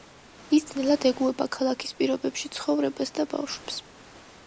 ის ძნელად ეგუება ქალაქის პირობებში ცხოვრებას და ბავშვებს.